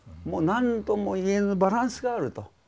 なんともいえぬバランスがあると。